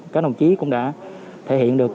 các đồng chí cũng đã thể hiện được